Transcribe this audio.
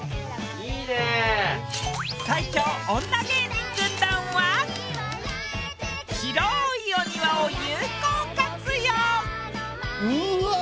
最強女芸人軍団は広いお庭を有効活用！